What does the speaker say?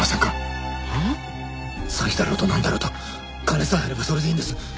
詐欺だろうとなんだろうと金さえ入ればそれでいいんです！